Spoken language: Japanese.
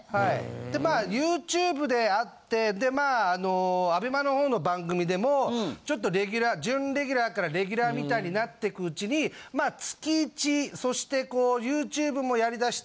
まあＹｏｕＴｕｂｅで会ってでまあＡＢＥＭＡの方の番組でもちょっとレギュラー準レギュラーからレギュラーみたいになってく内にまあ月１そしてこうＹｏｕＴｕｂｅもやりだして。